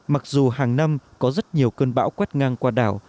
mặc dù hàng năm có rất nhiều cơn bão quét ngang qua đảo